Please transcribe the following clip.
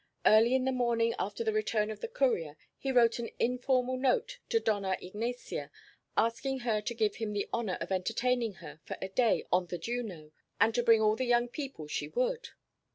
Early in the morning after the return of the courier he wrote an informal note to Dona Ignacia, asking her to give him the honor of entertaining her for a day on the Juno, and to bring all the young people she would.